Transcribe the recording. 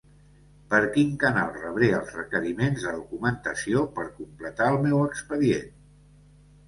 Per quin canal rebré els requeriments de documentació per completar el meu expedient?